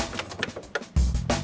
aku udah di depan